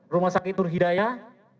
rumah sakit nurhidayah